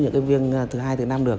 những cái viên thứ hai thứ năm được